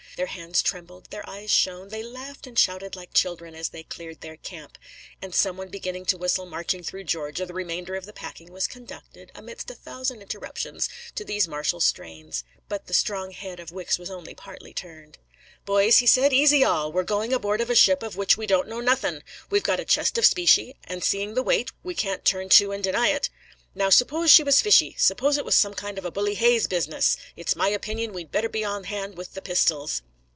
Their hands trembled, their eyes shone, they laughed and shouted like children as they cleared their camp: and some one beginning to whistle Marching Through Georgia, the remainder of the packing was conducted, amidst a thousand interruptions, to these martial strains. But the strong head of Wicks was only partly turned. "Boys," he said, "easy all! We're going aboard of a ship of which we don't know nothing; we've got a chest of specie, and seeing the weight, we can't turn to and deny it. Now, suppose she was fishy; suppose it was some kind of a Bully Hayes business! It's my opinion we'd better be on hand with the pistols."